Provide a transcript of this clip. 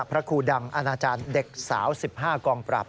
พระครูดังอนาจารย์เด็กสาว๑๕กองปราบ